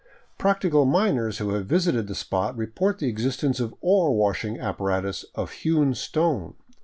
Practical miners who have visited the spot report the existence of ore washing apparatus of hewn stone.